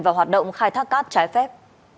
và hoạt động khai thác cát trái phép